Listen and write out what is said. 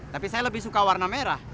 tapi saya lebih suka warna merah